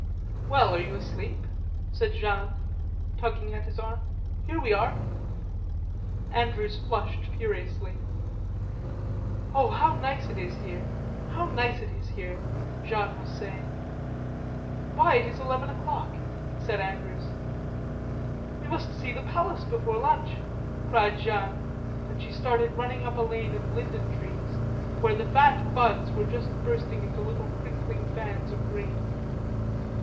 "Well, are you asleep?" said Jeanne tugging at his arm. "Here we are." Andrews flushed furiously. "Oh, how nice it is here, how nice it is here!" Jeanne was saying. "Why, it is eleven o'clock," said Andrews. "We must see the palace before lunch," cried Jeanne, and she started running up a lane of linden trees, where the fat buds were just bursting into little crinkling fans of green.